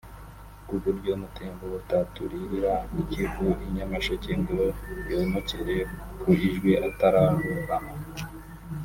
ku buryo umutembo ataturirira i Kivu i Nyamasheke ngo yomokere ku Ijwi atararohama